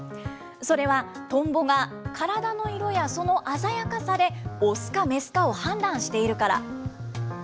それは、トンボが体の色やその鮮やかさで雄か雌かを判断しているから。